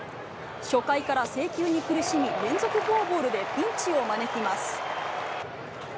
初回から制球に苦しみ、連続フォアボールでピンチを招きます。